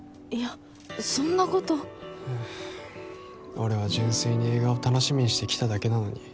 俺は純粋に映画を楽しみにしてきただけなのに